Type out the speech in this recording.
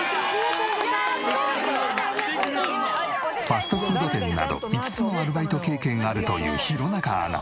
ファストフード店など５つのアルバイト経験があるという弘中アナ。